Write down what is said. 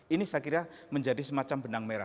ini saya kira menjadi semacam benang merah